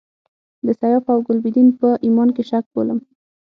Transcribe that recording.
د سیاف او ګلبدین په ایمان کې شک بولم.